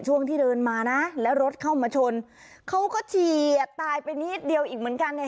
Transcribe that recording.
ช่วงที่เดินมานะแล้วรถเข้ามาชนเขาก็เฉียดตายไปนิดเดียวอีกเหมือนกันเนี่ย